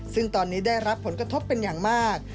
ซึ่งตอนนี้ได้รับผลกระทบเป็นอย่างมาก